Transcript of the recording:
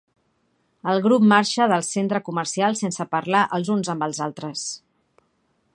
El grup marxa del centre comercial sense parlar els uns amb els altres.